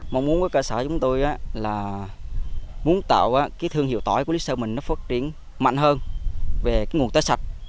một môn của cơ sở chúng tôi là muốn tạo thương hiệu tỏi của lý sơn mình phát triển mạnh hơn về nguồn tế sạch